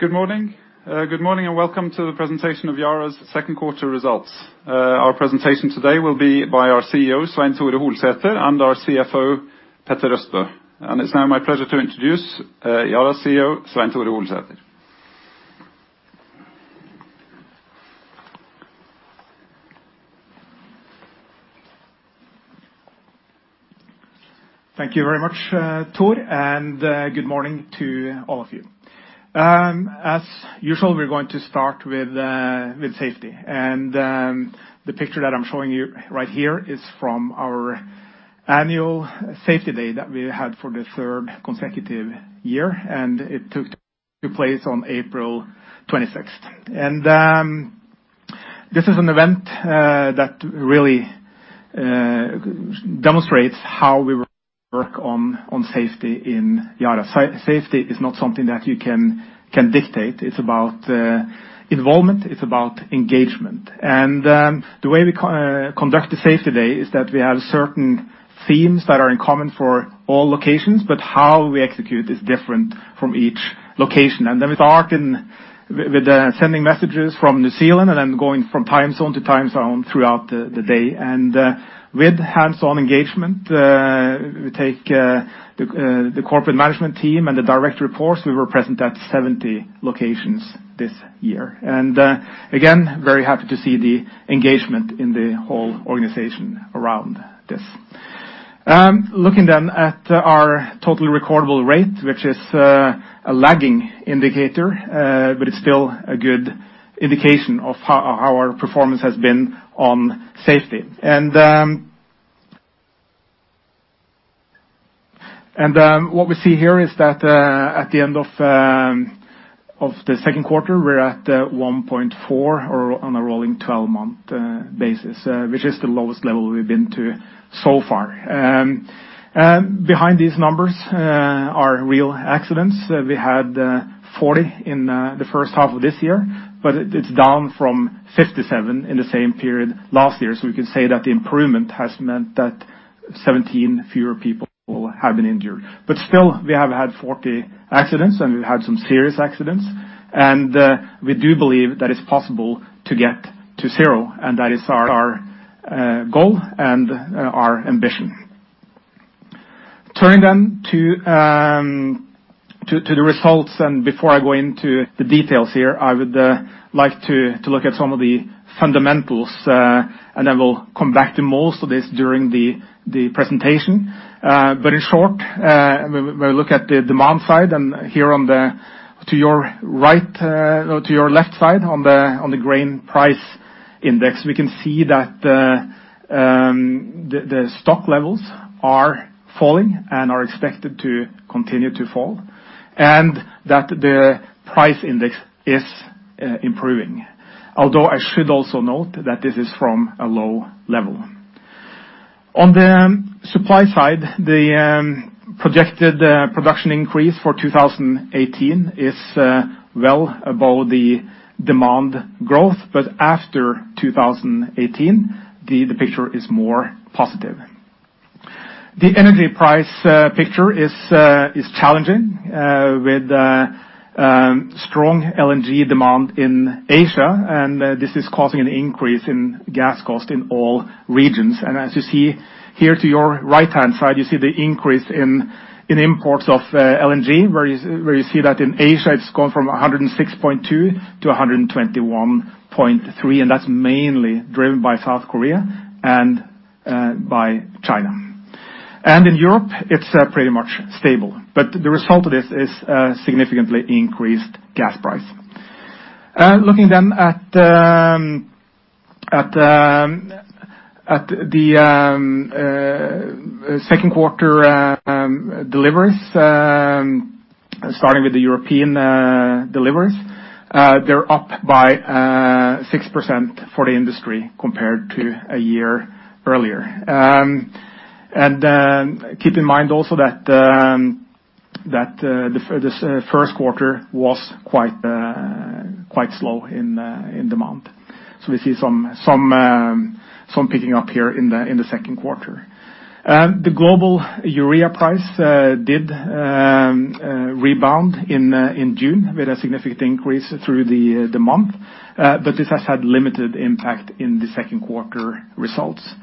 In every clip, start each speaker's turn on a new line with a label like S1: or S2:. S1: Good morning, welcome to the presentation of Yara's second quarter results. Our presentation today will be by our CEO, Svein Tore Holsether, and our CFO, Petter Østbø. It's now my pleasure to introduce Yara's CEO, Svein Tore Holsether.
S2: Thank you very much, Thor, good morning to all of you. As usual, we're going to start with safety. The picture that I'm showing you right here is from our annual safety day that we had for the third consecutive year, it took place on April 26th. This is an event that really demonstrates how we work on safety in Yara. Safety is not something that you can dictate. It's about involvement, it's about engagement. The way we conduct the safety day is that we have certain themes that are in common for all locations, but how we execute is different from each location. Then with an arc and with sending messages from New Zealand and then going from time zone to time zone throughout the day. With hands-on engagement, we take the corporate management team and the direct reports, we were present at 70 locations this year. Again, very happy to see the engagement in the whole organization around this. Looking then at our total recordable rate, which is a lagging indicator, but it's still a good indication of how our performance has been on safety. What we see here is that at the end of the second quarter, we're at 1.4 on a rolling 12-month basis, which is the lowest level we've been to so far. Behind these numbers are real accidents. We had 40 in the first half of this year, but it's down from 57 in the same period last year. We can say that the improvement has meant that 17 fewer people have been injured. Still, we have had 40 accidents, we've had some serious accidents, we do believe that it's possible to get to zero, that is our goal and our ambition. Turning then to the results, before I go into the details here, I would like to look at some of the fundamentals, I will come back to most of this during the presentation. In short, when we look at the demand side, here on the to your left side on the grain price index, we can see that the stock levels are falling and are expected to continue to fall, that the price index is improving. Although, I should also note that this is from a low level. On the supply side, the projected production increase for 2018 is well above the demand growth, after 2018, the picture is more positive. The energy price picture is challenging with strong LNG demand in Asia. This is causing an increase in gas cost in all regions. As you see here to your right-hand side, you see the increase in imports of LNG, where you see that in Asia it has gone from 106.2 to 121.3, and that is mainly driven by South Korea and by China. In Europe it is pretty much stable. The result of this is significantly increased gas price. Looking at the second quarter deliveries, starting with the European deliveries, they are up by 6% for the industry compared to a year earlier. Keep in mind also that the first quarter was quite slow in demand. We see some picking up here in the second quarter. The global urea price did rebound in June with a significant increase through the month. This has had limited impact in the second quarter results.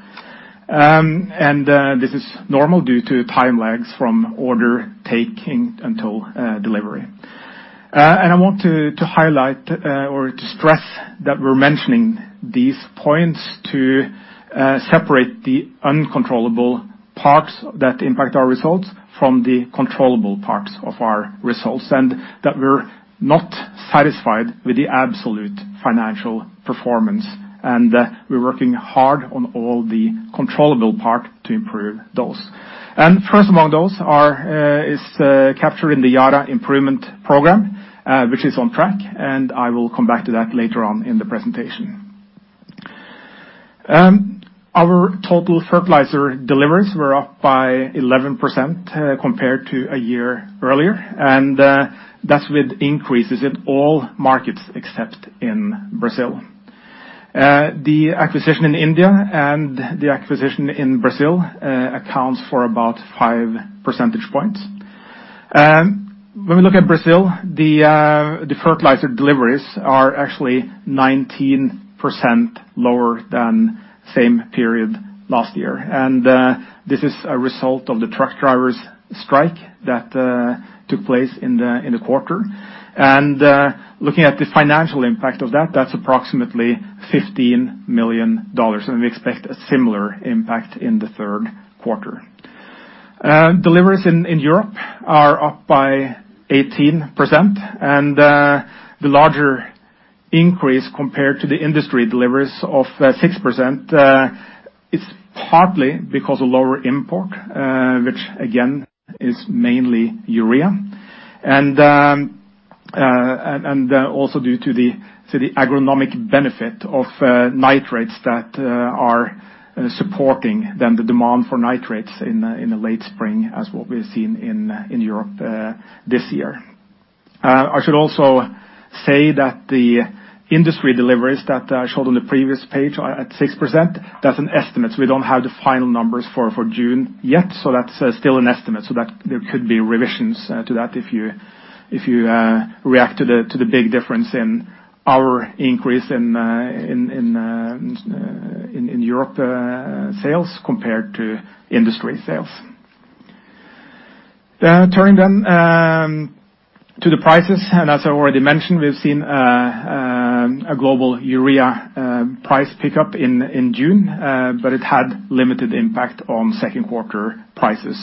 S2: This is normal due to time lags from order taking until delivery. I want to highlight or to stress that we are mentioning these points to separate the uncontrollable parts that impact our results from the controllable parts of our results, and that we are not satisfied with the absolute financial performance, and we are working hard on all the controllable part to improve those. First among those is captured in the Yara Improvement Program, which is on track, and I will come back to that later on in the presentation. Our total fertilizer deliveries were up by 11% compared to a year earlier, and that is with increases in all markets except in Brazil. The acquisition in India and the acquisition in Brazil accounts for about five percentage points. When we look at Brazil, the fertilizer deliveries are actually 19% lower than same period last year. This is a result of the truck drivers' strike that took place in the quarter. Looking at the financial impact of that is approximately $15 million. We expect a similar impact in the third quarter. Deliveries in Europe are up by 18%, and the larger increase, compared to the industry deliveries of 6%, is partly because of lower import, which again, is mainly urea. Also due to the agronomic benefit of nitrates that are supporting the demand for nitrates in the late spring, as what we have seen in Europe this year. I should also say that the industry deliveries that I showed on the previous page are at 6%, that is an estimate. We do not have the final numbers for June yet, so that is still an estimate. There could be revisions to that if you react to the big difference in our increase in Europe sales compared to industry sales. Turning to the prices, as I already mentioned, we have seen a global urea price pickup in June, it had limited impact on second quarter prices.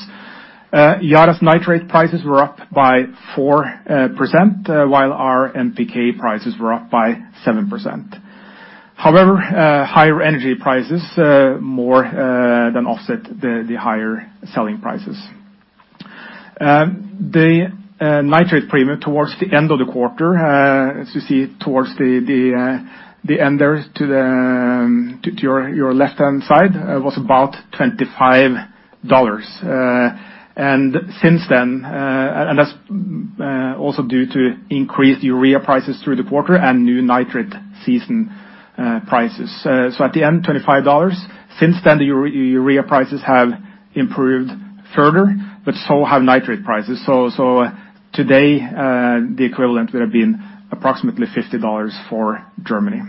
S2: Yara's nitrate prices were up by 4%, while our NPK prices were up by 7%. However, higher energy prices more than offset the higher selling prices. The nitrate premium towards the end of the quarter, as you see towards the end there to your left-hand side, was about $25. Since then, that is also due to increased urea prices through the quarter and new nitrate season prices. At the end, $25. Since then, the urea prices have improved further, so have nitrate prices. Today, the equivalent would have been approximately $50 for Germany.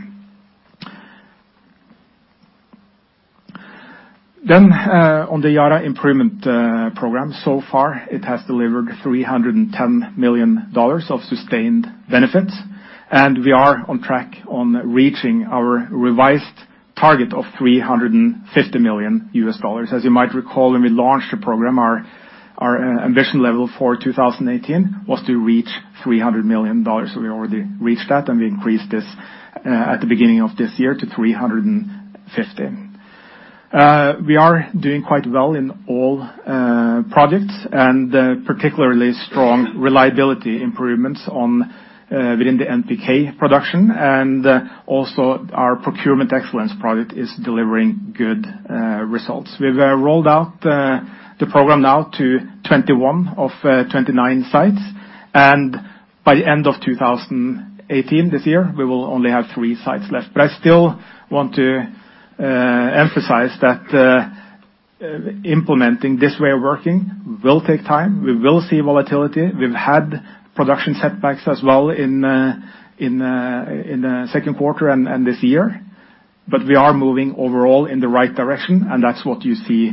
S2: On the Yara Improvement Program, so far it has delivered $310 million of sustained benefits, and we are on track on reaching our revised target of NOK 350 million. As you might recall, when we launched the program, our ambition level for 2018 was to reach NOK 300 million. We already reached that, and we increased this at the beginning of this year to 350 million. We are doing quite well in all projects, and particularly strong reliability improvements within the NPK production. Also our procurement excellence product is delivering good results. We've rolled out the program now to 21 of 29 sites. By end of 2018, this year, we will only have three sites left. I still want to emphasize that implementing this way of working will take time. We will see volatility. We've had production setbacks as well in the second quarter and this year. We are moving overall in the right direction, that's what you see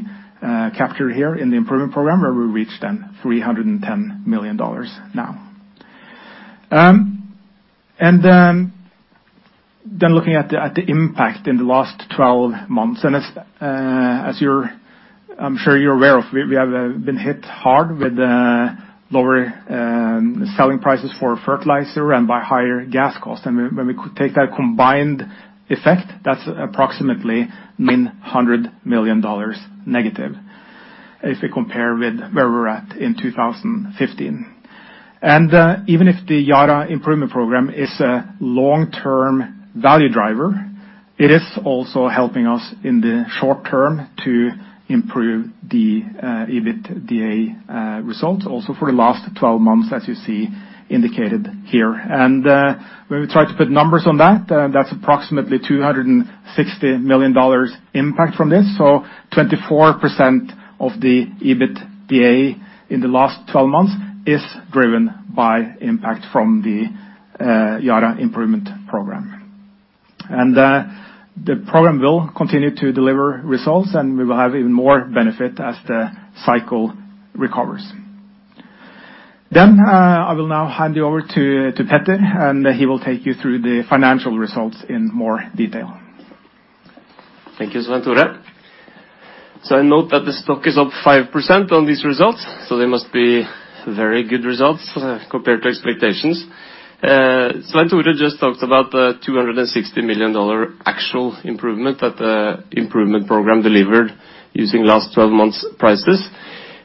S2: captured here in the improvement program, where we reached then $310 million now. Looking at the impact in the last 12 months, as I'm sure you're aware of, we have been hit hard with lower selling prices for fertilizer and by higher gas cost. When we take that combined effect, that's approximately -NOK 900 million if we compare with where we were at in 2015. Even if the Yara Improvement Program is a long-term value driver, it is also helping us in the short term to improve the EBITDA results, also for the last 12 months, as you see indicated here. When we try to put numbers on that's approximately NOK 260 million impact from this. 24% of the EBITDA in the last 12 months is driven by impact from the Yara Improvement Program. The program will continue to deliver results, and we will have even more benefit as the cycle recovers. I will now hand you over to Petter, he will take you through the financial results in more detail.
S3: Thank you, Svein Tore. I note that the stock is up 5% on these results, they must be very good results compared to expectations. Svein Tore just talked about the NOK 260 million actual improvement that the improvement program delivered using last 12 months prices.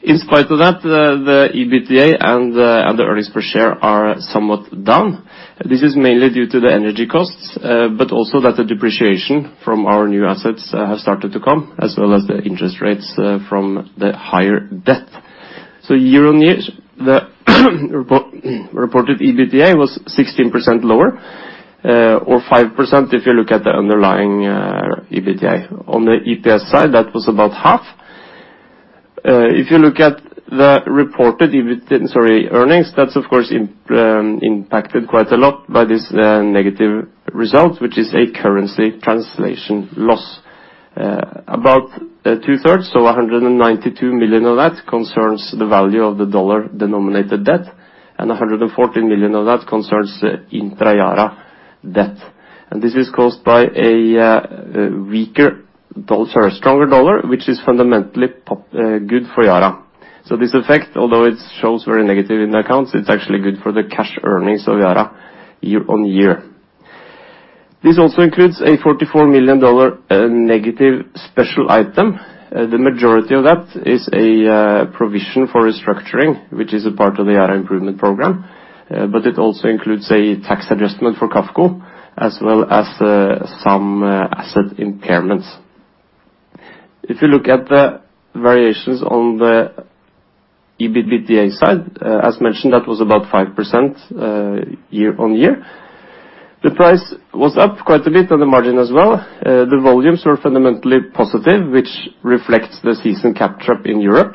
S3: In spite of that, the EBITDA and the earnings per share are somewhat down. This is mainly due to the energy costs, but also that the depreciation from our new assets have started to come, as well as the interest rates from the higher debt. Year-on-year, the reported EBITDA was 16% lower, or 5% if you look at the underlying EBITDA. On the EPS side, that was about half. If you look at the reported earnings, that's of course impacted quite a lot by this negative result, which is a currency translation loss. About two-thirds, so $192 million of that concerns the value of the dollar-denominated debt, and $114 million of that concerns intra-Yara debt. This is caused by a stronger dollar, which is fundamentally good for Yara. This effect, although it shows very negative in the accounts, it is actually good for the cash earnings of Yara year-on-year. This also includes a $44 million negative special item. The majority of that is a provision for restructuring, which is a part of the Yara Improvement Program, but it also includes a tax adjustment for KAFCO, as well as some asset impairments. If you look at the variations on the EBITDA side, as mentioned, that was about 5% year-on-year. The price was up quite a bit on the margin as well. The volumes were fundamentally positive, which reflects the season catch-up in Europe.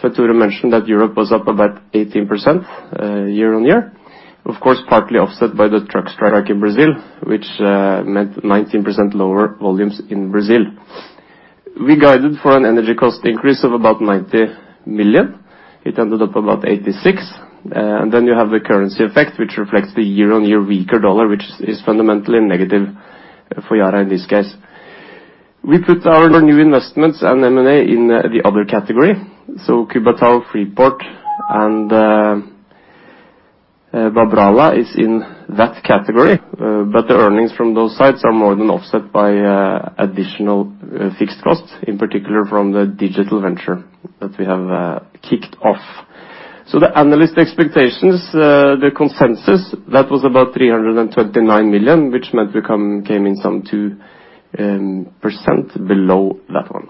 S3: Svein Tore mentioned that Europe was up about 18% year-on-year. Of course, partly offset by the truck strike in Brazil, which meant 19% lower volumes in Brazil. We guided for an energy cost increase of about $90 million. It ended up about $86 million. You have the currency effect, which reflects the year-on-year weaker dollar, which is fundamentally negative for Yara in this case. We put our new investments and M&A in the other category. Cubatão, Freeport, and Babrala is in that category. The earnings from those sites are more than offset by additional fixed costs, in particular from the digital venture that we have kicked off. The analyst expectations, the consensus, that was about $329 million, which meant we came in some 2% below that one.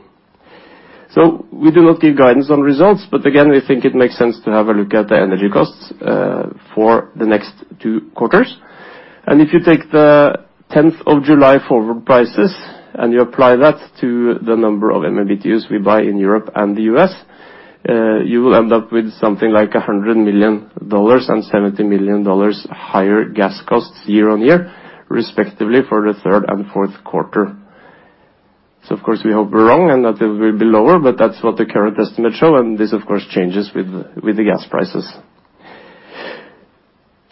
S3: We do not give guidance on results, but again, we think it makes sense to have a look at the energy costs for the next two quarters. If you take the 10th of July forward prices and you apply that to the number of MMBtus we buy in Europe and the U.S., you will end up with something like $100 million and $70 million higher gas costs year-on-year, respectively for the third and fourth quarter. Of course, we hope we are wrong and that it will be lower, but that is what the current estimates show, and this, of course, changes with the gas prices.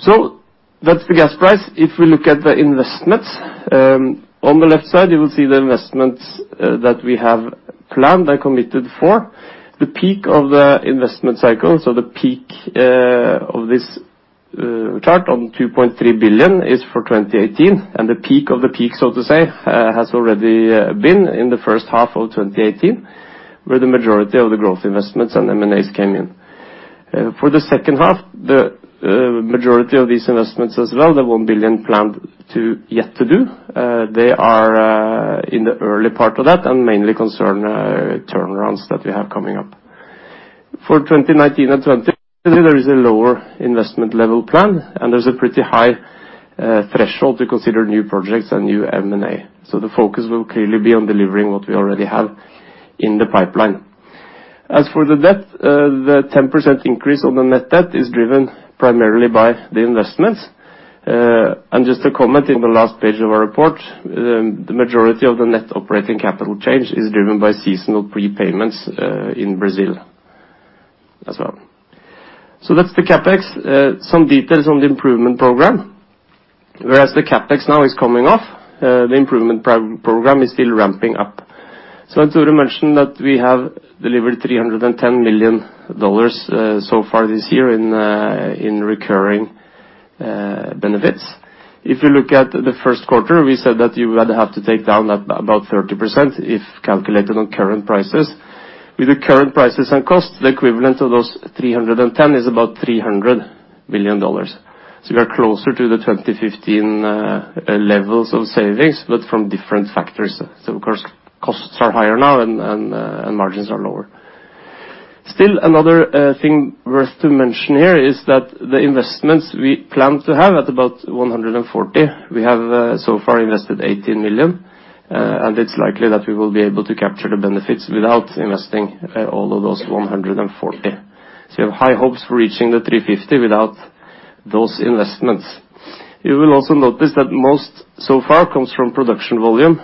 S3: That is the gas price. If we look at the investments, on the left side, you will see the investments that we have planned and committed for. The peak of the investment cycle, the peak of this chart on $2.3 billion is for 2018, and the peak of the peak, so to say, has already been in the first half of 2018, where the majority of the growth investments and M&As came in. For the second half, the majority of these investments as well, the $1 billion planned yet to do, they are in the early part of that and mainly concern turnarounds that we have coming up. For 2019 and 2020, there is a lower investment level plan, and there is a pretty high threshold to consider new projects and new M&A. The focus will clearly be on delivering what we already have in the pipeline. As for the debt, the 10% increase on the net debt is driven primarily by the investments. Just to comment in the last page of our report, the majority of the net operating capital change is driven by seasonal prepayments in Brazil as well. That's the CapEx. Some details on the Yara Improvement Program. Whereas the CapEx now is coming off, the Yara Improvement Program is still ramping up. I want to mention that we have delivered $310 million so far this year in recurring benefits. If you look at the first quarter, we said that you would have to take down about 30% if calculated on current prices. With the current prices and costs, the equivalent of those $310 million is about $300 million. We are closer to the 2015 levels of savings, but from different factors. Of course, costs are higher now and margins are lower. Still, another thing worth to mention here is that the investments we plan to have at about $140 million, we have so far invested $18 million, and it's likely that we will be able to capture the benefits without investing all of those $140 million. We have high hopes for reaching the $350 million without those investments. You will also notice that most so far comes from production volume,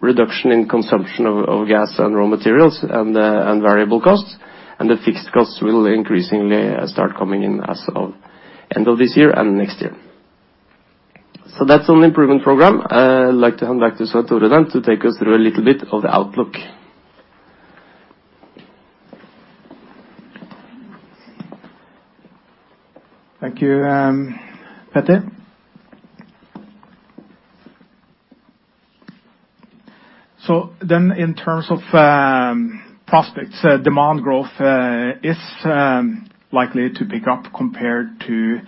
S3: reduction in consumption of gas and raw materials, and variable costs, and the fixed costs will increasingly start coming in as of end of this year and next year. That's on the Yara Improvement Program. I'd like to hand back to Svein Tore to take us through a little bit of the outlook.
S2: Thank you, Petter. In terms of prospects, demand growth is likely to pick up compared to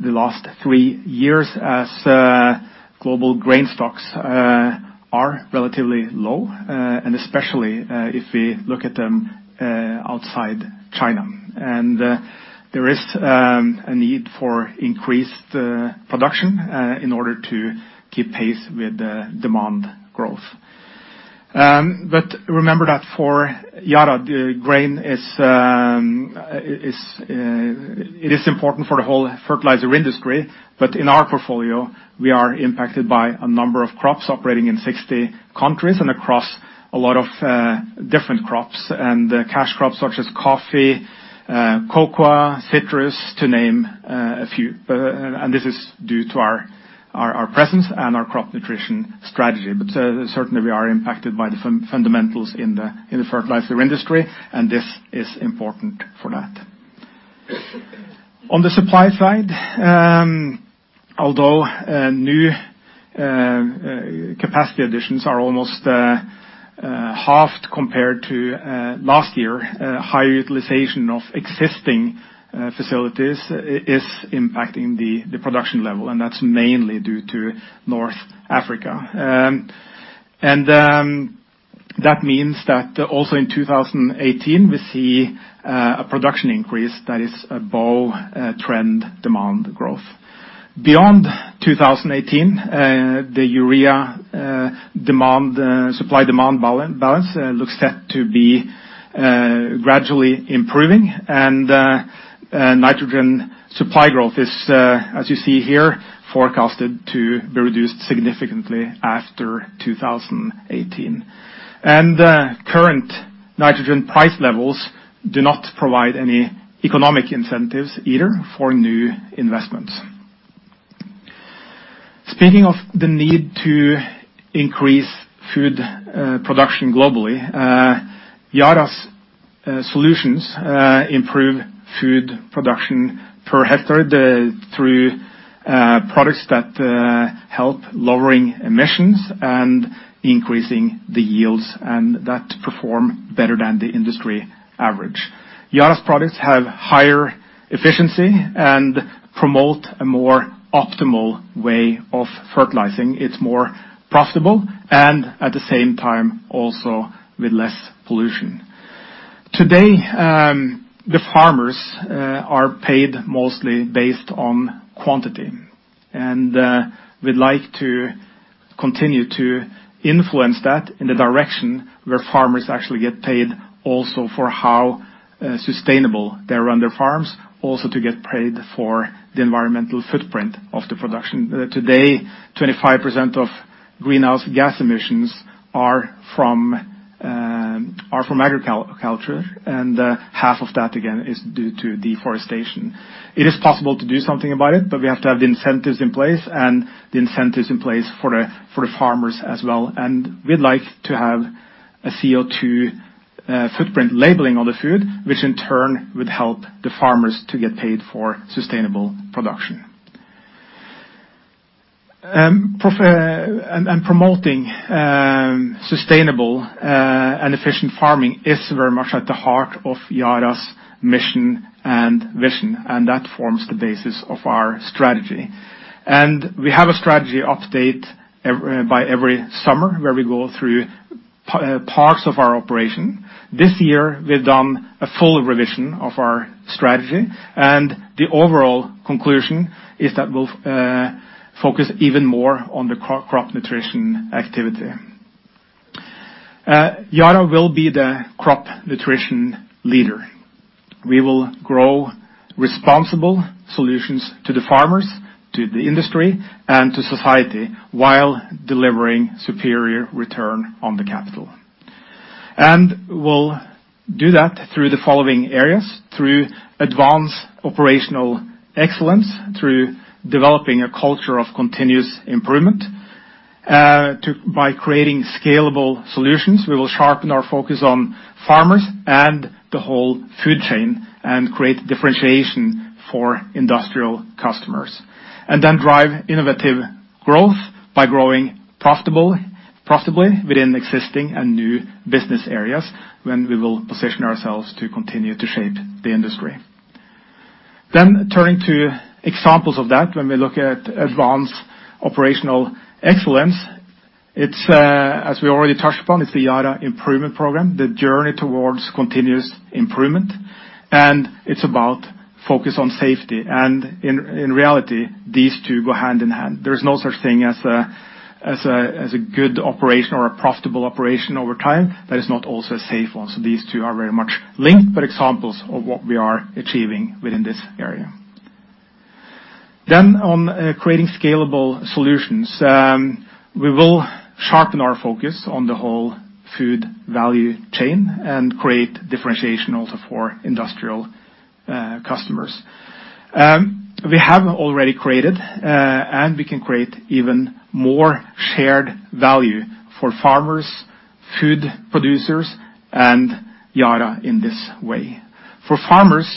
S2: the last three years as Global grain stocks are relatively low, and especially if we look at them outside China. There is a need for increased production in order to keep pace with demand growth. Remember that for Yara, grain is-- It is important for the whole fertilizer industry, but in our portfolio, we are impacted by a number of crops operating in 60 countries and across a lot of different crops and cash crops such as coffee, cocoa, citrus, to name a few. This is due to our presence and our crop nutrition strategy. Certainly, we are impacted by the fundamentals in the fertilizer industry, and this is important for that. On the supply side, although new capacity additions are almost halved compared to last year, high utilization of existing facilities is impacting the production level, and that's mainly due to North Africa. That means that also in 2018, we see a production increase that is above trend demand growth. Beyond 2018, the urea supply-demand balance looks set to be gradually improving, nitrogen supply growth is, as you see here, forecasted to be reduced significantly after 2018. Current nitrogen price levels do not provide any economic incentives either for new investments. Speaking of the need to increase food production globally, Yara's solutions improve food production per hectare through products that help lowering emissions and increasing the yields, and that perform better than the industry average. Yara's products have higher efficiency and promote a more optimal way of fertilizing. It's more profitable. At the same time, also with less pollution. Today, the farmers are paid mostly based on quantity. We'd like to continue to influence that in the direction where farmers actually get paid also for how sustainable they run their farms, also to get paid for the environmental footprint of the production. Today, 25% of greenhouse gas emissions are from agriculture. Half of that, again, is due to deforestation. It is possible to do something about it. We have to have the incentives in place and the incentives in place for the farmers as well. We'd like to have a CO2 footprint labeling on the food, which in turn would help the farmers to get paid for sustainable production. Promoting sustainable and efficient farming is very much at the heart of Yara's mission and vision. That forms the basis of our strategy. We have a strategy update by every summer, where we go through parts of our operation. This year, we've done a full revision of our strategy. The overall conclusion is that we'll focus even more on the crop nutrition activity. Yara will be the crop nutrition leader. We will grow responsible solutions to the farmers, to the industry, and to society while delivering superior return on the capital. We'll do that through the following areas: through advanced operational excellence, through developing a culture of continuous improvement. By creating scalable solutions, we will sharpen our focus on farmers and the whole food chain and create differentiation for industrial customers. Drive innovative growth by growing profitably within existing and new business areas, when we will position ourselves to continue to shape the industry. Turning to examples of that, when we look at advanced operational excellence, it's as we already touched upon, it's the Yara Improvement Program, the journey towards continuous improvement. It's about focus on safety. In reality, these two go hand in hand. There is no such thing as a good operation or a profitable operation over time that is not also a safe one. These two are very much linked, but examples of what we are achieving within this area. On creating scalable solutions, we will sharpen our focus on the whole food value chain and create differentiation also for industrial customers. We have already created. We can create even more shared value for farmers, food producers, and Yara in this way. For farmers,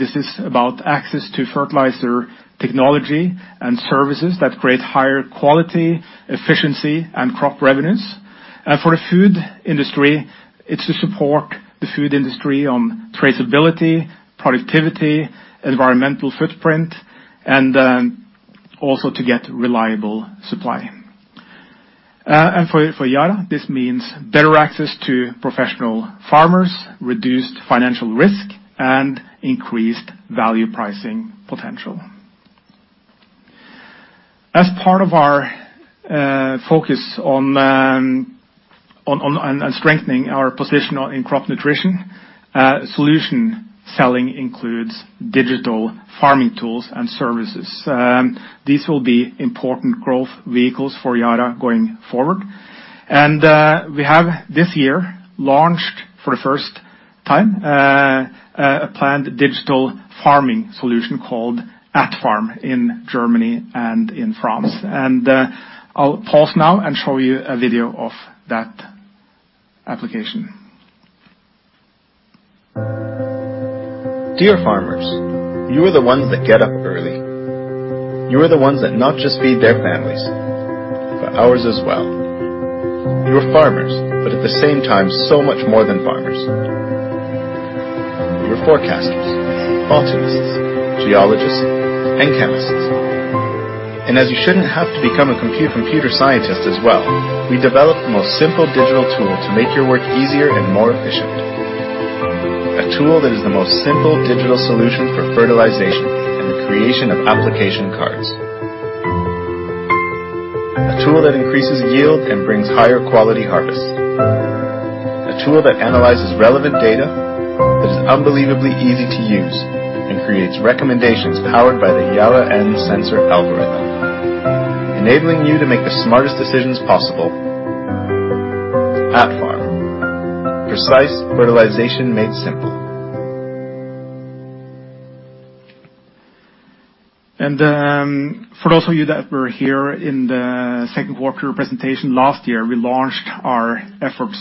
S2: this is about access to fertilizer technology and services that create higher quality, efficiency, and crop revenues. For the food industry, it's to support the food industry on traceability, productivity, environmental footprint, also to get reliable supply. For Yara, this means better access to professional farmers, reduced financial risk, and increased value pricing potential. As part of our focus on strengthening our position in crop nutrition, solution selling includes digital farming tools and services. These will be important growth vehicles for Yara going forward. We have this year launched for the first time, a planned digital farming solution called Atfarm in Germany and in France. I'll pause now and show you a video of that application.
S4: Dear farmers, you are the ones that get up early. You are the ones that not just feed their families, but ours as well. You are farmers, but at the same time, so much more than farmers. You're forecasters, botanists, geologists, and chemists. As you shouldn't have to become a computer scientist as well, we developed the most simple digital tool to make your work easier and more efficient. A tool that is the most simple digital solution for fertilization and the creation of application cards. A tool that increases yield and brings higher quality harvests. A tool that analyzes relevant data that is unbelievably easy to use and creates recommendations powered by the Yara N-Sensor algorithm, enabling you to make the smartest decisions possible. Atfarm. Precise fertilization made simple.
S2: For those of you that were here in the second quarter presentation last year, we launched our efforts,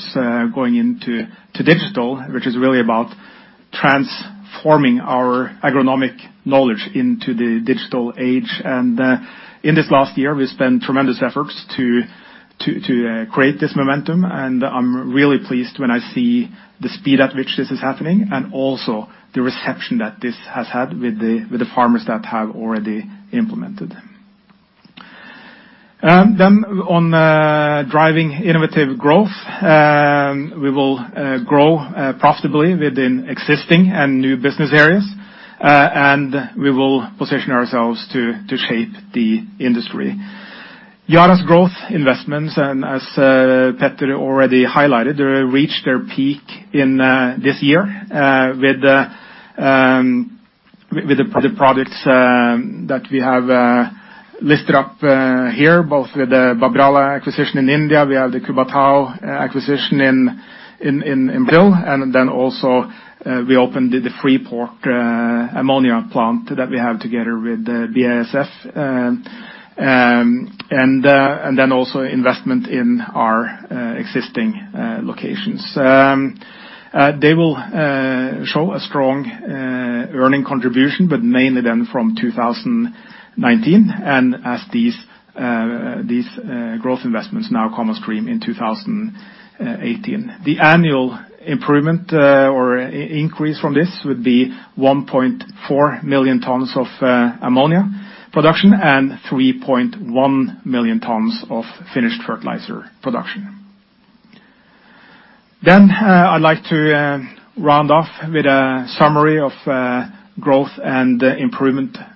S2: going into digital, which is really about transforming our agronomic knowledge into the digital age. In this last year, we spent tremendous efforts to create this momentum, and I'm really pleased when I see the speed at which this is happening, and also the reception that this has had with the farmers that have already implemented. On driving innovative growth, we will grow profitably within existing and new business areas, and we will position ourselves to shape the industry. Yara's growth investments, as Petter already highlighted, they reached their peak in this year, with the products that we have listed up here, both with the Babrala acquisition in India, we have the Cubatão acquisition in Brazil, then also, we opened the Freeport ammonia plant that we have together with BASF. Then also investment in our existing locations. They will show a strong earning contribution, but mainly then from 2019, as these growth investments now come on stream in 2018. The annual improvement or increase from this would be 1.4 million tons of ammonia production and 3.1 million tons of finished fertilizer production. I'd like to round off with a summary of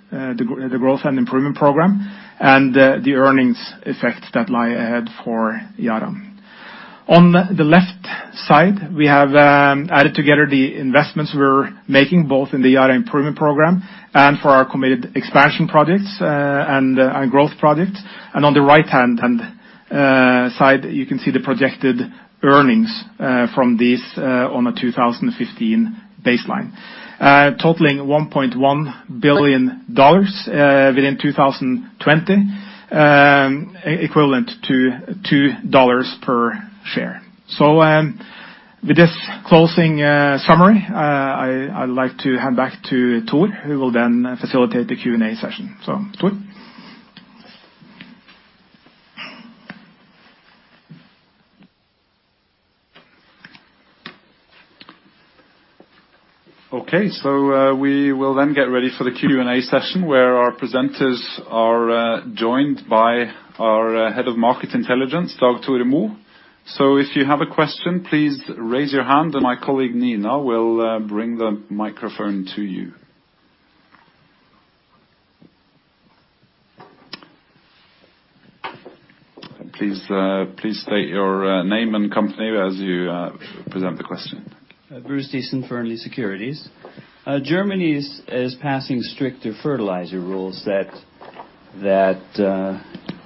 S2: growth and improvement program and the earnings effects that lie ahead for Yara. On the left side, we're making, both in the Yara Improvement Program and for our committed expansion projects and growth projects. On the right-hand side, you can see the projected earnings from these on a 2015 baseline, totaling $1.1 billion within 2020, equivalent to $2 per share. With this closing summary, I'd like to hand back to Thor, who will facilitate the Q&A session. Thor.
S1: We will get ready for the Q&A session where our presenters are joined by our Head of Market Intelligence, Dag Tore Mo. If you have a question, please raise your hand and my colleague, Nina, will bring the microphone to you. Please state your name and company as you present the question.
S5: Bruce Thiessen, Fearnley Securities. Germany is passing stricter fertilizer rules that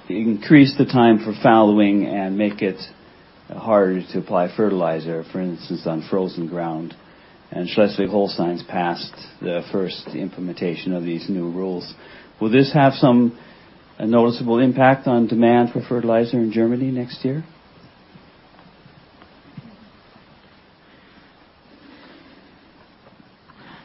S5: increase the time for fallowing and make it harder to apply fertilizer, for instance, on frozen ground. Schleswig-Holstein's passed the first implementation of these new rules. Will this have some noticeable impact on demand for fertilizer in Germany next year?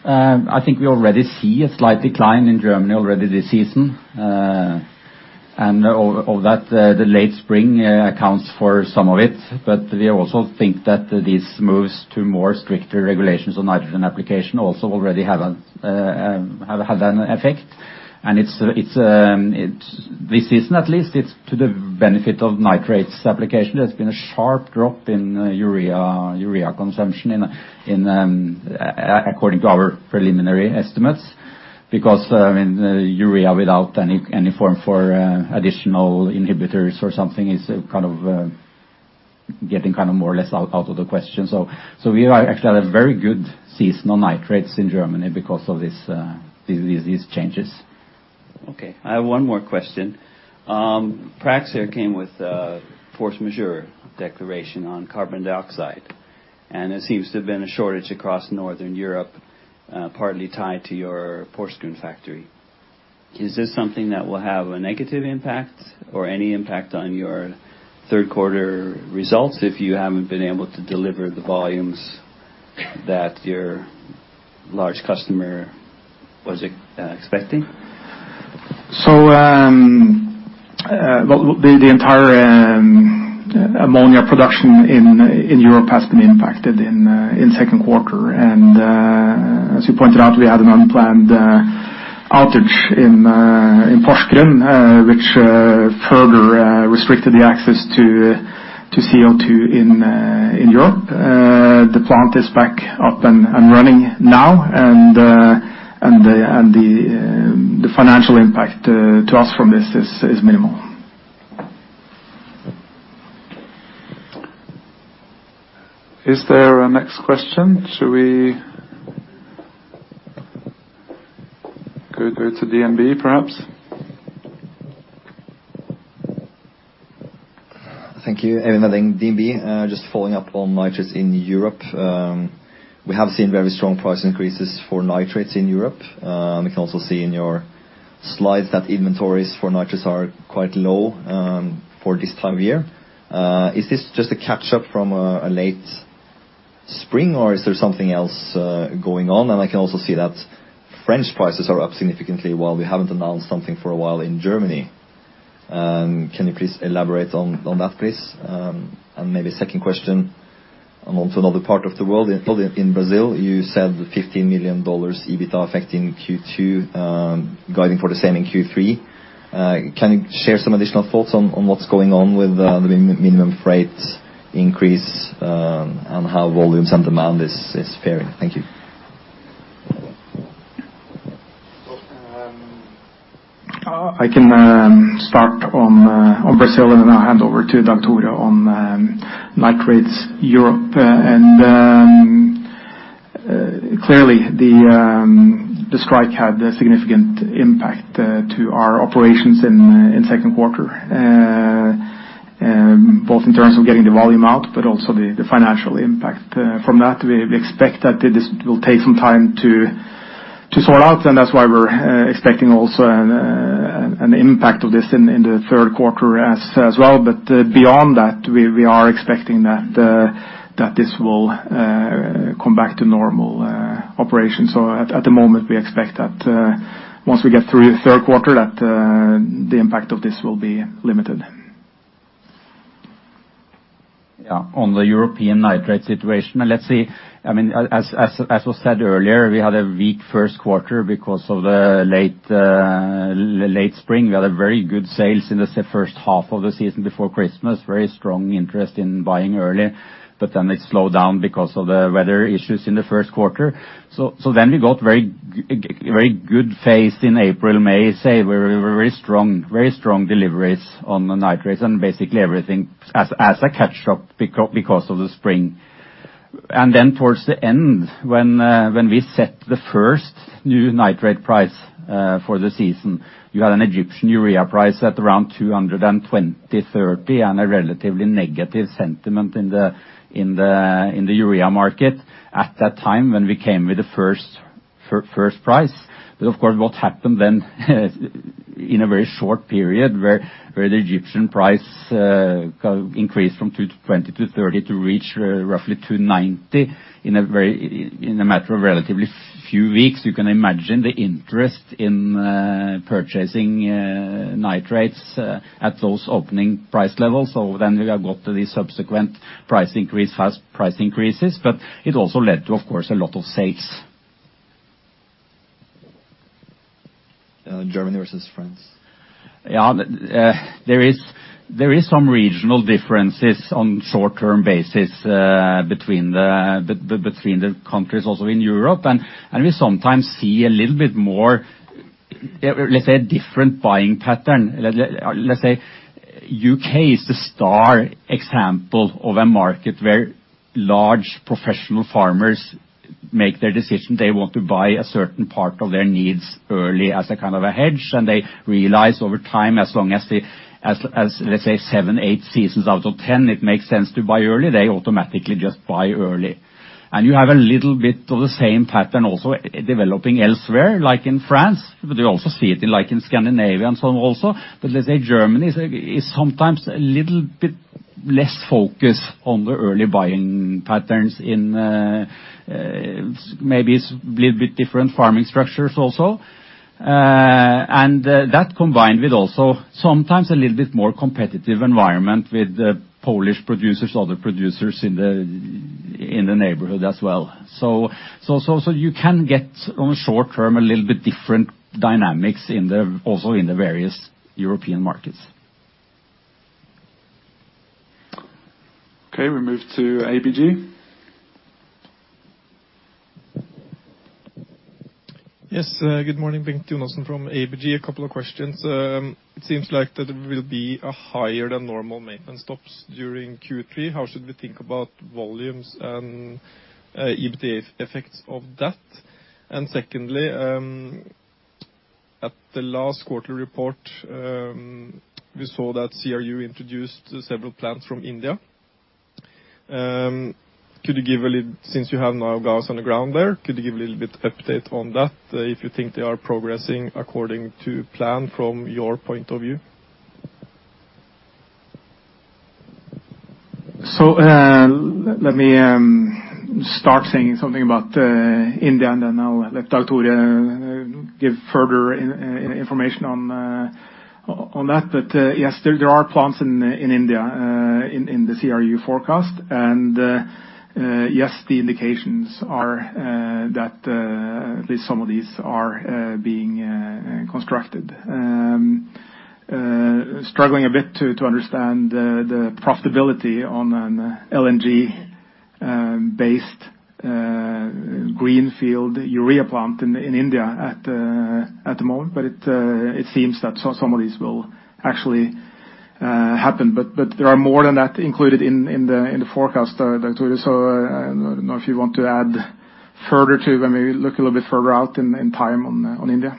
S6: I think we already see a slight decline in Germany already this season. Of that, the late spring accounts for some of it, but we also think that these moves to more stricter regulations on nitrogen application also already have had an effect. This season, at least, it's to the benefit of nitrates application. There's been a sharp drop in urea consumption according to our preliminary estimates, because urea without any form for additional inhibitors or something is getting more or less out of the question. We actually had a very good season on nitrates in Germany because of these changes.
S5: Okay. I have one more question. Praxair came with force majeure declaration on carbon dioxide, and there seems to have been a shortage across Northern Europe, partly tied to your Porsgrunn factory. Is this something that will have a negative impact or any impact on your third quarter results if you haven't been able to deliver the volumes that your large customer was expecting?
S2: The entire ammonia production in Europe has been impacted in second quarter. As you pointed out, we had an unplanned outage in Porsgrunn, which further restricted the access to CO2 in Europe. The plant is back up and running now, and the financial impact to us from this is minimal.
S1: Is there a next question? Should we go to DNB perhaps?
S7: Thank you. DNB. Just following up on nitrates in Europe. We have seen very strong price increases for nitrates in Europe. We can also see in your slides that inventories for nitrates are quite low for this time of year. Is this just a catch-up from a late spring or is there something else going on? I can also see that French prices are up significantly while we haven't announced something for a while in Germany. Can you please elaborate on that, please? Maybe a second question on to another part of the world, in Brazil, you said $15 million EBITDA effect in Q2, guiding for the same in Q3. Can you share some additional thoughts on what's going on with the minimum freight increase, and how volumes and demand is faring? Thank you.
S2: I can start on Brazil, and then I'll hand over to Dag Tore on nitrates Europe. Clearly the strike had a significant impact to our operations in second quarter, both in terms of getting the volume out, but also the financial impact from that. We expect that this will take some time to sort out, and that's why we're expecting also an impact of this in the third quarter as well. Beyond that, we are expecting that this will come back to normal operations. At the moment, we expect that once we get through the third quarter, that the impact of this will be limited.
S6: On the European nitrate situation, let's see. As was said earlier, we had a weak first quarter because of the late spring. We had a very good sales in the first half of the season before Christmas, very strong interest in buying early. It slowed down because of the weather issues in the first quarter. We got very good phase in April, May. Say we were very strong deliveries on the nitrates and basically everything as a catch-up because of the spring. Towards the end, when we set the first new nitrate price for the season, you had an Egyptian urea price at around 220, 230, and a relatively negative sentiment in the urea market at that time when we came with the first price. What happened then in a very short period where the Egyptian price increased from 220 to 230 to reach roughly 290 in a matter of relatively few weeks. You can imagine the interest in purchasing nitrates at those opening price levels. We have got the subsequent price increases, but it also led to, of course, a lot of sales.
S7: Germany versus France.
S6: Yeah. There is some regional differences on short-term basis between the countries also in Europe. We sometimes see a little bit more, let's say, a different buying pattern. Let's say U.K. is the star example of a market where large professional farmers make their decision. They want to buy a certain part of their needs early as a kind of a hedge. They realize over time, as long as, let's say seven, eight seasons out of 10, it makes sense to buy early. They automatically just buy early. You have a little bit of the same pattern also developing elsewhere, like in France, but you also see it in like Scandinavia and so on also. Let's say Germany is sometimes a little bit less focused on the early buying patterns in, maybe it's a little bit different farming structures also.
S2: That combined with also sometimes a little bit more competitive environment with the Polish producers, other producers in the neighborhood as well. You can get on short-term, a little bit different dynamics also in the various European markets.
S1: Okay. We move to ABG.
S8: Yes. Good morning, Bengt Jonassen from ABG. A couple of questions. It seems like that there will be a higher than normal maintenance stops during Q3. How should we think about volumes and EBITDA effects of that? Secondly, at the last quarterly report, we saw that CRU introduced several plants from India. Since you have now guys on the ground there, could you give a little bit of update on that, if you think they are progressing according to plan from your point of view?
S2: Let me start saying something about India, and then I'll let Tore give further information on that. Yes, there are plants in India in the CRU forecast. Yes, the indications are that at least some of these are being constructed. Struggling a bit to understand the profitability on an LNG-based greenfield urea plant in India at the moment. It seems that some of these will actually happen. There are more than that included in the forecast, Tore, so I don't know if you want to add further to maybe look a little bit further out in time on India.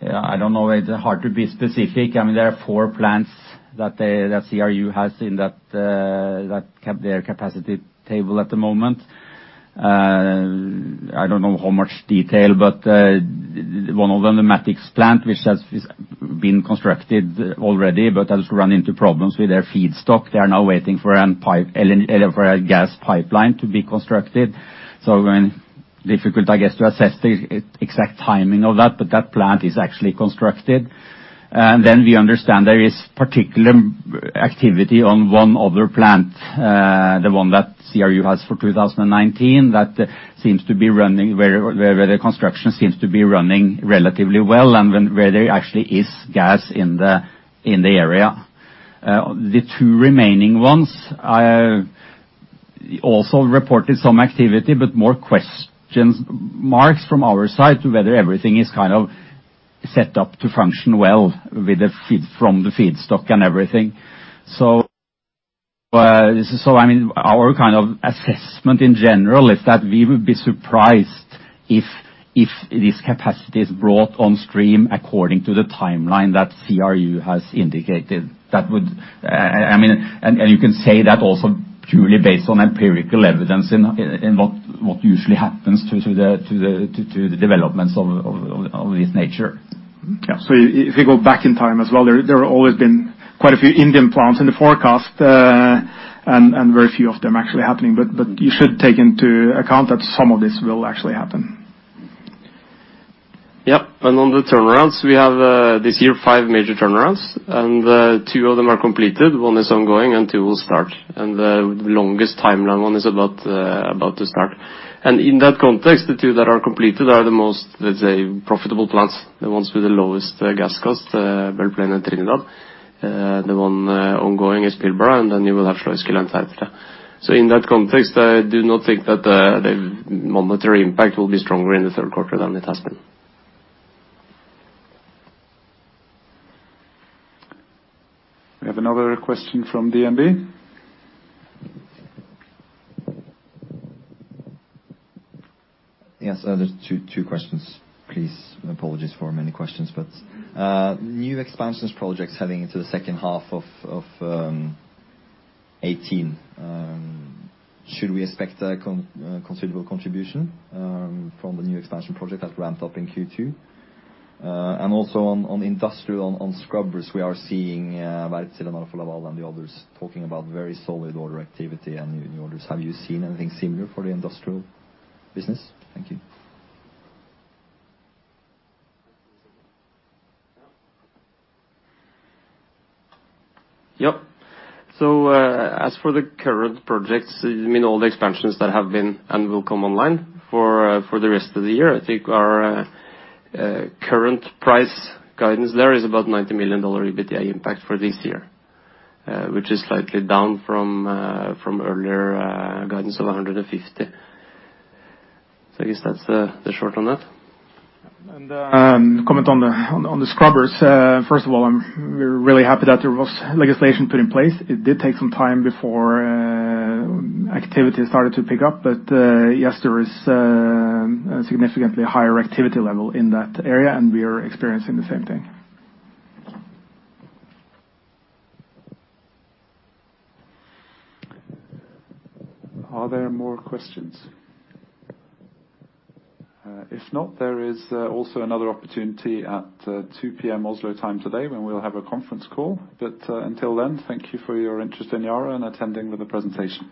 S6: Yeah, I don't know. It's hard to be specific. There are four plants that CRU has in their capacity table at the moment. I don't know how much detail, but one of them, the Matix plant, which has been constructed already, but has run into problems with their feedstock. They are now waiting for a gas pipeline to be constructed. Difficult, I guess, to assess the exact timing of that, but that plant is actually constructed. We understand there is particular activity on one other plant, the one that CRU has for 2019, where the construction seems to be running relatively well, and where there actually is gas in the area. The two remaining ones also reported some activity, but more question marks from our side to whether everything is set up to function well from the feedstock and everything. Our kind of assessment in general is that we would be surprised if this capacity is brought on stream according to the timeline that CRU has indicated. You can say that also purely based on empirical evidence in what usually happens to the developments of this nature.
S2: Yeah. If you go back in time as well, there have always been quite a few Indian plants in the forecast, and very few of them actually happening. You should take into account that some of this will actually happen. Yeah. On the turnarounds, we have this year five major turnarounds, and two of them are completed, one is ongoing and two will start. The longest timeline one is about to start. In that context, the two that are completed are the most, let's say, profitable plants, the ones with the lowest gas cost, Belle Plaine and Trinidad. The one ongoing is Pilbara, and you will have Skellefteå. In that context, I do not think that the monetary impact will be stronger in the third quarter than it has been. We have another question from DNB.
S7: Yes, there's two questions, please. Apologies for many questions, new expansions projects heading into the second half of 2018, should we expect a considerable contribution from the new expansion project that ramped up in Q2? Also on industrial, on scrubbers, we are seeing the others talking about very solid order activity and new orders. Have you seen anything similar for the industrial business? Thank you.
S3: Yeah. As for the current projects, all the expansions that have been and will come online for the rest of the year, I think our current price guidance there is about NOK 90 million EBITDA impact for this year, which is slightly down from earlier guidance of 150 million. I guess that's the short on that.
S2: Comment on the scrubbers. First of all, we're really happy that there was legislation put in place. It did take some time before activity started to pick up. Yes, there is a significantly higher activity level in that area, and we are experiencing the same thing.
S1: Are there more questions? If not, there is also another opportunity at 2:00 P.M. Oslo time today, when we'll have a conference call. Until then, thank you for your interest in Yara and attending the presentation.